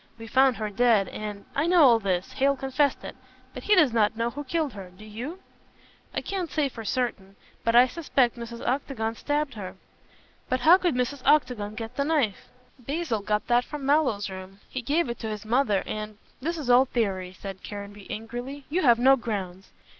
We found her dead, and " "I know all this. Hale confessed it. But he does not know who killed her. Do you?" "I can't say for certain. But I suspect Mrs. Octagon stabbed her." "But how could Mrs. Octagon get the knife?" "Basil got that from Mallow's room. He gave it to his mother, and " "This is all theory," said Caranby angrily, "you have no grounds."